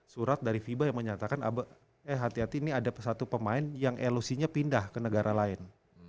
surat dari fiba yang menyatakan eh hati hati ini ada satu pemain yang elusinya pindah ke negara lain